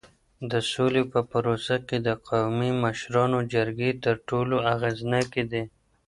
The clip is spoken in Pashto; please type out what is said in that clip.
د سولې په پروسه کي د قومي مشرانو جرګې تر ټولو اغیزناکي دي.